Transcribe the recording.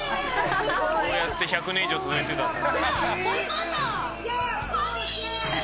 こうやって１００年以上続いてたんだ。